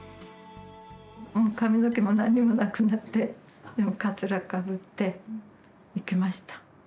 もう髪の毛も何にもなくなってかつらかぶって行きました。